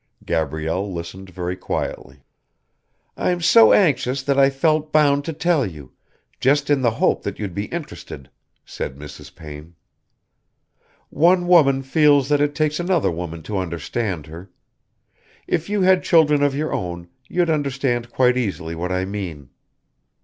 Gabrielle listened very quietly. "I'm so anxious that I felt bound to tell you, just in the hope that you'd be interested," said Mrs. Payne. "One woman feels that it takes another woman to understand her. If you had children of your own, you'd understand quite easily what I mean."